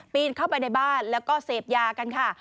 เข้าไปในบ้านแล้วก็เสพยากันค่ะ